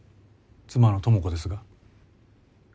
妻の朋子ですが。